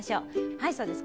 はいそうです。